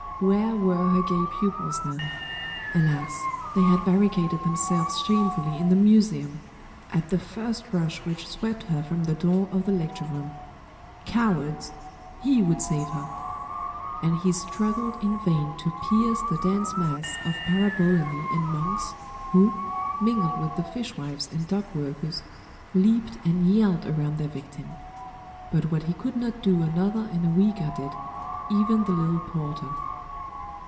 Where were her gay pupils now? Alas! they had barricaded themselves shamefully in the Museum, at the first rush which swept her from the door of the lecture room. Cowards! he would save her! And he struggled in vain to pierce the dense mass of Parabolani and monks, who, mingled with the fishwives and dock workers, leaped and yelled around their victim. But what he could not do another and a weaker did even the little porter.